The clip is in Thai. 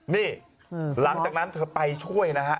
นี่หลังจากนั้นเธอไปช่วยนะฮะ